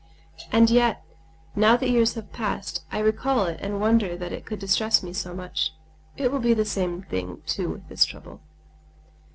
And yet, now that years have passed, I recall it and wonder that it could distress me so much. It will be the same thing too with this trouble.